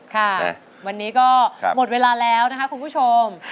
ค่ะวันนี้ก็หมดเวลาแล้วนะคะคุณผู้ชม